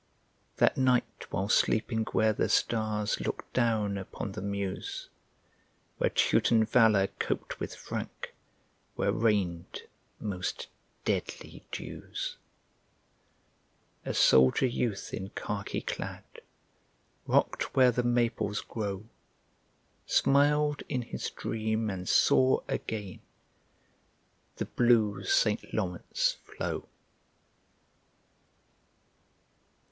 That night while sleeping where the stars Look down upon the Meuse, Where Teuton valor coped with Frank, Where rained most deadly dews, A soldier youth in khaki clad, Rock'd where the Maples grow, Smiled in his dream and saw again The blue St. Lawrence flow.